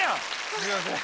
すいません。